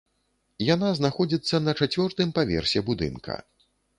Яна знаходзіцца на чацвёртым паверсе будынка.